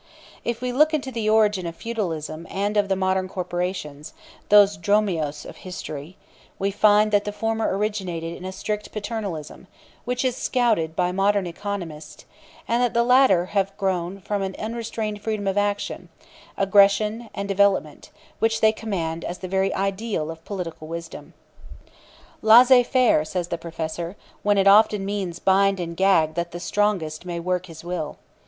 If we look into the origin of feudalism and of the modern corporations those Dromios of history we find that the former originated in a strict paternalism, which is scouted by modern economists, and that the latter has grown from an unrestrained freedom of action, aggression, and development, which they commend as the very ideal of political wisdom. Laissez faire, says the professor, when it often means bind and gag that the strongest may work his will.